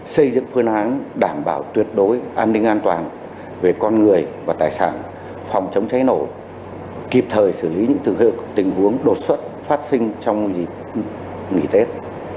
xây dựng phương án đảm bảo tuyệt đối an ninh an toàn về con người và tài sản phòng chống cháy nổ kịp thời xử lý những thực hư tình huống đột xuất phát sinh trong dịp nghỉ tết